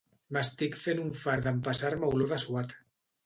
M'estic fent un fart d'empassar-me olor de suat.